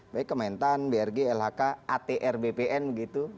baik kementan brg lhk atr bpn gitu